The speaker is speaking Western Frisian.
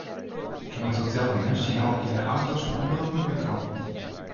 Om it hotel hinne stiene allegearre auto's fan omroppen en kranten.